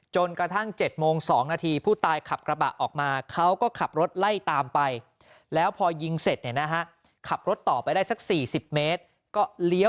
จนกระทั่ง๗โมง๒นาที